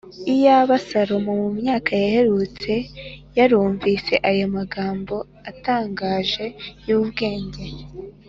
iyaba salomo mu myaka yaherutse yarumviye ayo magambo atangaje y’ubwenge!